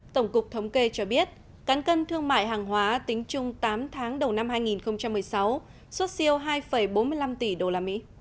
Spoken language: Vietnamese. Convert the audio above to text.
tổng cục thống kê cho biết cán cân thương mại hàng hóa tính chung tám tháng đầu năm hai nghìn một mươi sáu xuất siêu hai bốn mươi năm tỷ usd